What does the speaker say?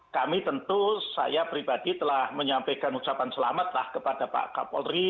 kami tentu saya pribadi telah menyampaikan ucapan selamat lah kepada pak kapolri